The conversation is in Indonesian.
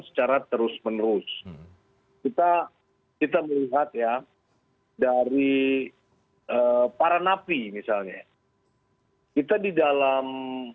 secara terus menerus kita kita melihat ya dari para napi misalnya kita di dalam